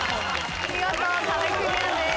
見事壁クリアです。